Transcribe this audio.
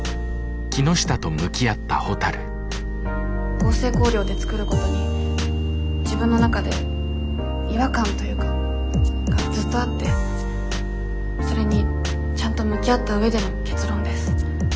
合成香料で作ることに自分の中で違和感というかがずっとあってそれにちゃんと向き合った上での結論です。